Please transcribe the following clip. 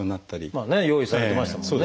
用意されてましたもんね